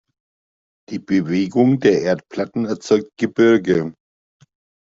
Die Bewegung der Erdplatten erzeugt Gebirge.